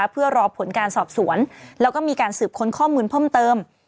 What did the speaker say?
เพื่อรอผลการสอบสวนแล้วก็มีการสืบค้นข้อมูลเพิ่มเติม